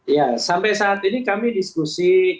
ya sampai saat ini kami diskusi